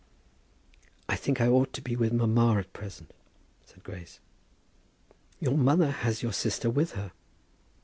"I think I ought to be with mamma at present," said Grace. "Your mother has your sister with her."